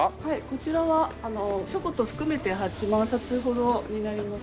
こちらは書庫と含めて８万冊ほどになりますね。